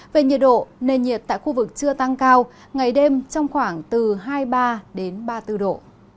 về nhiệt độ nền nhiệt tại khu vực chưa tăng cao ngày đêm trong khoảng từ hai mươi ba đến ba mươi bốn độ